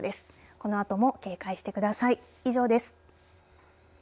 このあとも警戒してください。